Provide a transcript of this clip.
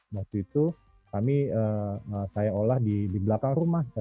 waktu itu kami saya olah di belakang rumah